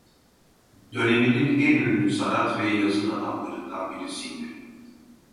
Döneminin en ünlü sanat ve yazın adamlarından birisiydi.